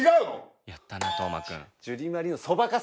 やったな斗真君。